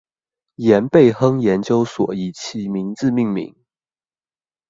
廷贝亨研究所以其名字命名。